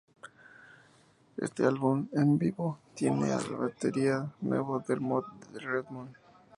En este álbum en vivo tienen al baterista nuevo Dermot Redmond.